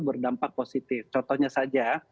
berdampak positif contohnya saja